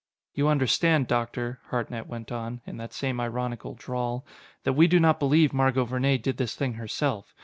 "You understand, Doctor," Hartnett went on, in that same ironical drawl, "that we do not believe Margot Vernee did this thing herself.